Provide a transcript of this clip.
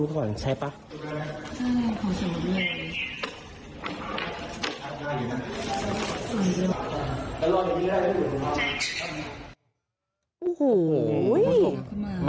เก้นดูก่อนใช่ป่ะ